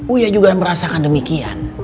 uya juga merasakan demikian